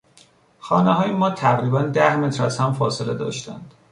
خانههای ما تقریبا ده متر از هم فاصله داشتند.